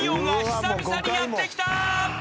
久々にやって来た］